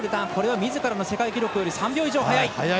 みずからの世界記録より３秒以上早い。